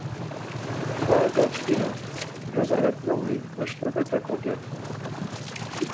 Tkva gaçkinan rezaletluği meşlep̌ete kogextu.